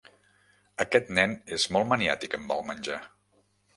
Aquest nen és molt maniàtic amb el menjar.